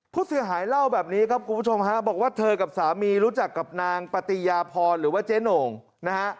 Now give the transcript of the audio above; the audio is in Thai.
ผู้เสียหายเล่าแบบนี้ครับคุณผู้ชมฮะบอกว่าเธอกับสามีรู้จักกับนางปฏิญาพรหรือว่าเจ๊โหน่งนะฮะ